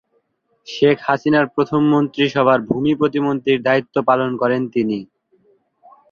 শেখ হাসিনার প্রথম মন্ত্রিসভার ভূমি প্রতিমন্ত্রীর দায়িত্ব পালন করেন তিনি।